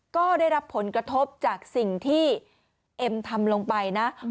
ก็ได้รับผลกระทบจากสิ่งที่เอ็มทำลงไปนะ